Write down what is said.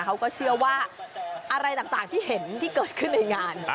เขาก็เชื่อว่าอะไรต่างที่เห็นที่เกิดขึ้นในงาน